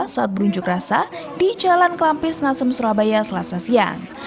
saat berunjuk rasa di jalan kelampis nasem surabaya selasa siang